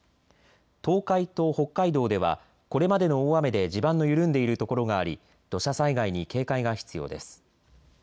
東海と北海道ではこれまでの大雨で地盤の緩んでいる所があり土砂災害に警戒が必要です。